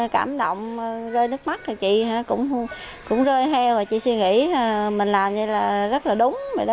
cảm động rơi nước mắt chị cũng rơi heo và chị suy nghĩ mình làm như là rất là đúng vậy đó